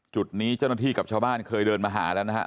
จุดนี้เจ้าหน้าที่กับชาวบ้านเคยเดินมาหาแล้วนะฮะ